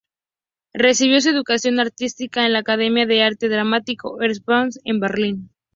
Recibió su educación artística en la Academia de Arte Dramático Ernst Busch, en Berlín.